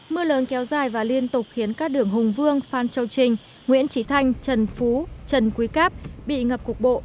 mưa lớn kéo dài và liên tục khiến các đường hùng vương phan châu trinh nguyễn trí thanh trần phú trần quý cáp bị ngập cục bộ